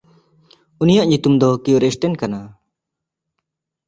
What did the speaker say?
ᱩᱱᱤᱭᱟᱜ ᱧᱩᱛᱩᱢ ᱫᱚ ᱠᱤᱣᱮᱨᱥᱴᱮᱱ ᱠᱟᱱᱟ᱾